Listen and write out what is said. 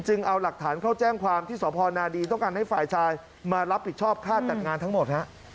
เอาหลักฐานเข้าแจ้งความที่สพนาดีต้องการให้ฝ่ายชายมารับผิดชอบค่าจัดงานทั้งหมดฮะ